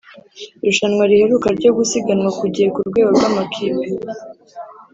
Irushanwa riheruka ryo gusiganwa ku gihe ku rwego rw’amakipe